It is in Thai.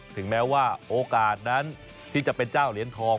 ถึงแม้ว่าโอกาสนั้นที่จะเป็นเจ้าเหรียญทอง